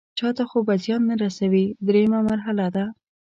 چاته خو به زیان نه رسوي دریمه مرحله ده.